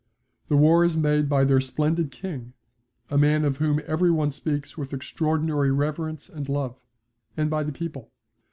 The war is made by their splendid king a man of whom every one speaks with extraordinary reverence and love and by the people.